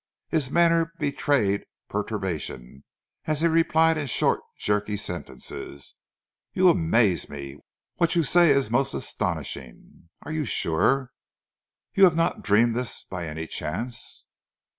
His manner betrayed perturbation as he replied in short, jerky sentences: "You amaze me! What you say is most astonishing. Are you sure? You have not dreamed this by any chance?"